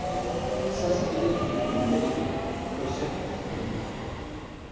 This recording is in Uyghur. قىساس ئېلىش يۈرىكىمدە ئىدى، پۇرسەت كۈتتۈم.